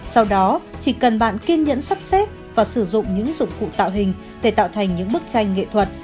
sau đó chỉ cần bạn kiên nhẫn sắp xếp và sử dụng những dụng cụ tạo hình để tạo thành những bức tranh nghệ thuật